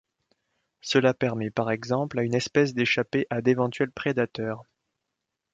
Cela permet par exemple à une espèce d'échapper à d'éventuels prédateurs.